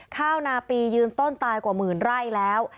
ข้าวนาปียืนต้นตายกว่าหมื่นไร่แล้ว